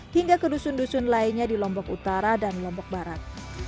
hingga ke dusun dusun lainnya di lombok utara dan lombok barat